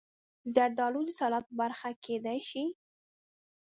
زردالو د سلاد برخه کېدای شي.